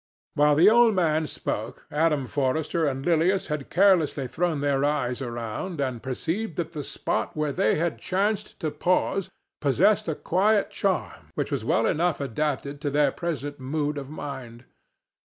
While the old man spoke Adam Forrester and Lilias had carelessly thrown their eyes around, and perceived that the spot where they had chanced to pause possessed a quiet charm which was well enough adapted to their present mood of mind.